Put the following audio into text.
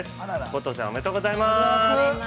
ご当せん、おめでとうございます。